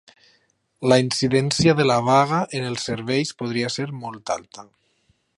La incidència de la vaga en els serveis podria ser molt alta